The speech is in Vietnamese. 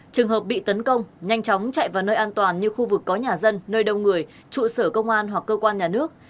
trường hợp bị tấn công nhanh chóng chạy vào nơi an toàn như khu vực có nhà dân nơi đông người trụ sở công an hoặc cơ quan nhà nước